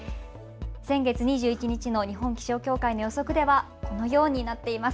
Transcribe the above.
先月２１日の日本気象協会の予測ではこのようになっています。